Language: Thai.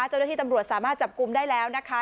เจ้าหน้าที่ตำรวจสามารถจับกลุ่มได้แล้วนะคะ